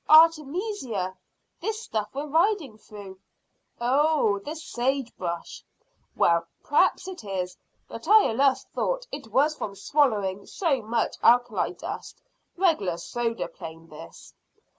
"Artemisia this stuff we're riding through." "Oh, the sage brush! Well, p'r'aps it is, but I allus thought it was from swallowing so much alkali dust. Regular soda plain, this."